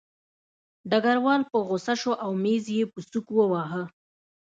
ډګروال په غوسه شو او مېز یې په سوک وواهه